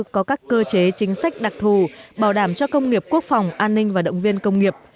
có các cơ chế chính sách đặc thù bảo đảm cho công nghiệp quốc phòng an ninh và động viên công nghiệp